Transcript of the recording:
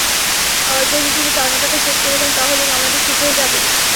যদি তিনি পাওনা টাকা শোধ করে দেন, তাহলেই মামলাটি শেষ হয়ে যাবে।